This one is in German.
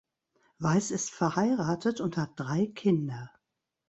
Weiss ist verheiratet und hat drei Kinder.